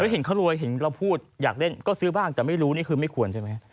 เห็นเขารวยเห็นเราพูดอยากเล่นก็ซื้อบ้างแต่ไม่รู้นี่คือไม่ควรใช่ไหม